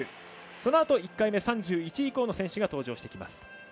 そのあと１回目３１位以降の選手が登場してきます。